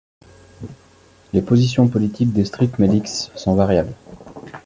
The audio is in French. Les positions politiques des streets medics sont variables.